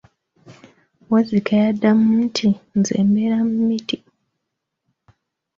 Wazzike yadamu nti, nze mbeera mu miti.